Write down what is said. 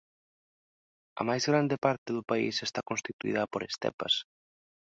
A máis grande parte do país está constituída por estepas.